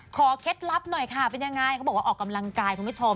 เคล็ดลับหน่อยค่ะเป็นยังไงเขาบอกว่าออกกำลังกายคุณผู้ชม